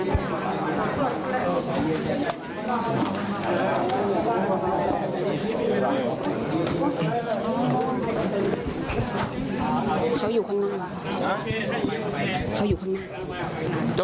เขาอยู่ข้างนั่นเลยวะ